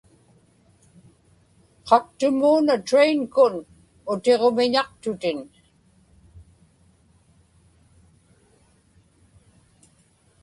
qaktumuuna train-kun utiġumiñaqtutin